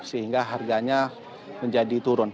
sehingga harganya menjadi turun